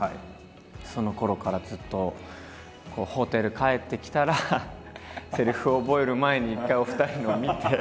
そのころからずっとホテル帰ってきたらセリフを覚える前に一回お二人のを見て。